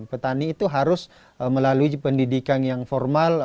petani itu harus melalui pendidikan yang formal